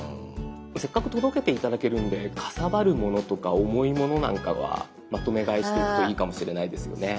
せっかく届けて頂けるのでかさばるものとか重いものなんかはまとめ買いしておくといいかもしれないですよね。